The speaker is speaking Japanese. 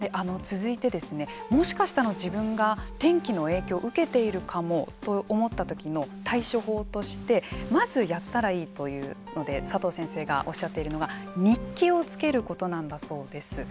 続いてですねもしかしたら自分が天気の影響を受けているかもと思ったときの対処法としてまずやったらいいというので佐藤先生がおっしゃっているのが日記を付けることなんだそうです。